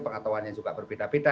pengetahuannya juga berbeda beda